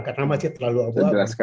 karena masih terlalu awal